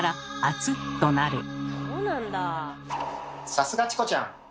さすがチコちゃん！